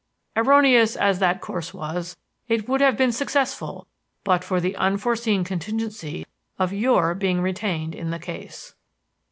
Erroneous as that course was, it would have been successful but for the unforeseen contingency of your being retained in the case.